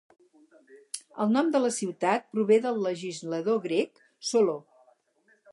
El nom de la ciutat prové del legislador grec, Soló.